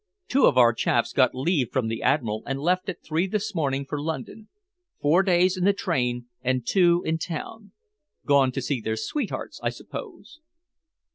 Two of our chaps got leave from the Admiral and left at three this morning for London four days in the train and two in town! Gone to see their sweethearts, I suppose."